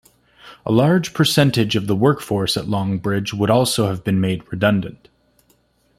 A large percentage of the workforce at Longbridge would also have been made redundant.